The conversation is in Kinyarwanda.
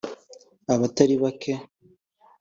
Abatari bake